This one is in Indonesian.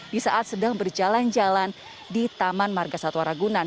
di saat sedang berjalan jalan di taman marga satwa ragunan